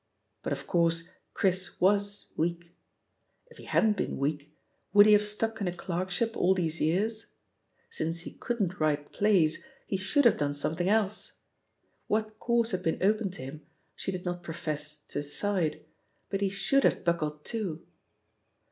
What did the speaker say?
But of course, Chris was weak. If he hadn't been weak, would he have stuck in a clerkship all these yearsi Since he couldn't write plays, he should have done something else. What course had been open to him she did not profess to decide, but he should have buckled to!